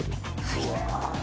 はい。